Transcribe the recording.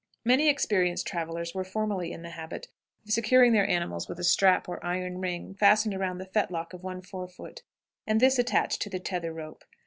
Many experienced travelers were formerly in the habit of securing their animals with a strap or iron ring fastened around the fetlock of one fore foot, and this attached to the tether rope.